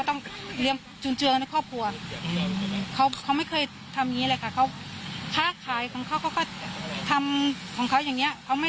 ตกใจกันหมดเลยค่ะแล้วได้ถามว่าไปทำอย่างนี้ทำไม